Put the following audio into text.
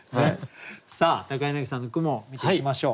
さあ柳さんの句も見ていきましょう。